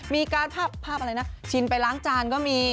มีการภาพอะไรนะชินไปล้างจานก็มี